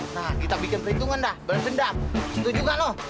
nah kita bikin perhitungan dah berbendam setuju gak lo